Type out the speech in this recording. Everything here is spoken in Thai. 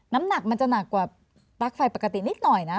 น้ำหนักมันจะหนักกว่าปลั๊กไฟปกตินิดหน่อยนะ